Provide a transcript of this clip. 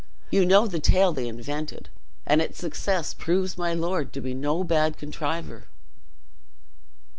You know the tale they invented; and its success proves my lord to be no bad contriver."